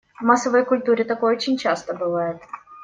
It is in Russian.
В массовой культуре такое очень часто бывает.